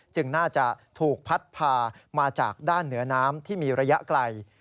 น่าจะถูกพัดพามาจากด้านเหนือน้ำที่มีระยะไกล